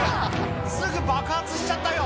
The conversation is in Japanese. すぐ爆発しちゃったよ！